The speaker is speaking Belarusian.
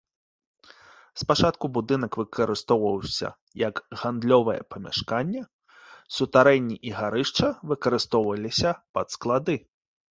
Спачатку будынак выкарыстоўваўся як гандлёвае памяшканне, сутарэнні і гарышча выкарыстоўваліся пад склады.